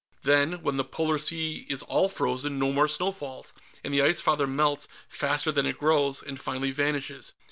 Then, when the polar sea is all frozen, no more snow falls, and the Ice Father melts faster than it grows, and finally vanishes.